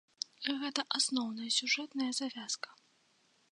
Гэта асноўная сюжэтная завязка.